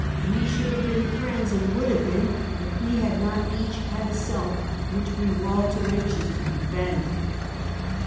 We should have been friends, and would have been, if we had not each had a self which we were all too anxious to defend."